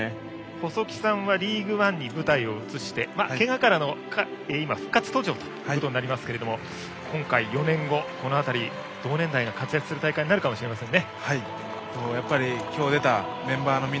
細木さんはリーグワンに舞台を移してけがからの今、復活途上ですが今回、４年後この辺り、同年代が活躍する大会になるかもしれませんね。